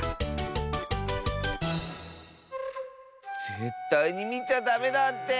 ぜったいにみちゃダメだって。